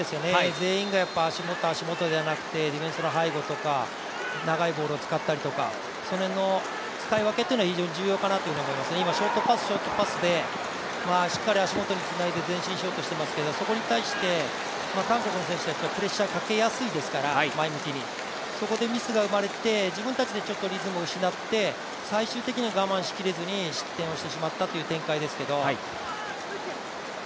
全員が足元、足元じゃなくてディフェンスの背後とか長いボールを使ったりとか、その辺の使い分けは非常に重要かなと思いますね、今、ショートパス、ショートパスで、しっかり足元につないで前進しようとしていますけれども、そこに対して韓国の選手はやっぱりプレッシャーかけやすいですから、前向きにそこでミスが生まれて自分たちでリズムを失って最終的には我慢しきれずに失点してしまったという展開です。